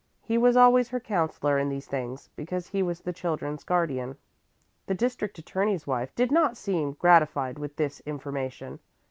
He was always her counsellor in these things, because he was the children's guardian. The district attorney's wife did not seem gratified with this information.